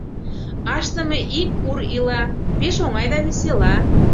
Ашныме ик ур ила, Пеш оҥай да весела.